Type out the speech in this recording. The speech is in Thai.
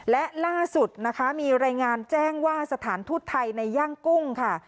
และล่าสุดนะคะมีรายงานแจ้งว่าสถานทูตไทยในย่างกุ้งค่ะ